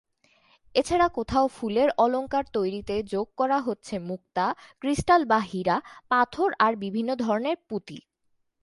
এছাড়া কোথাও ফুলের অলংকার তৈরিতে যোগ করা হচ্ছে মুক্তা, ক্রিস্টাল বা হীরা, পাথর আর বিভিন্ন ধরনের পুঁতি।